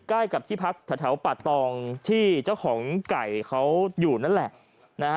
ใกล้กับที่พักแถวป่าตองที่เจ้าของไก่เขาอยู่นั่นแหละนะฮะ